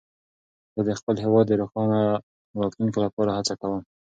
زه د خپل هېواد د روښانه راتلونکي لپاره هڅه کوم.